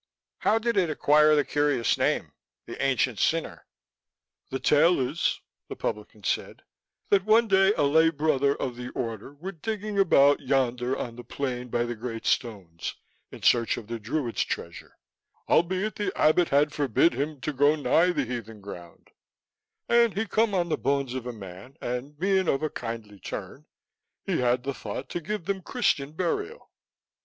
"How did it acquire the curious name 'The Ancient Sinner?'" "The tale is," the publican said, "that one day a lay brother of the order were digging about yonder on the plain by the great stones, in search of the Druid's treasure, albeit the Abbot had forbid him to go nigh the heathen ground, and he come on the bones of a man, and being of a kindly turn, he had the thought to give them Christian burial.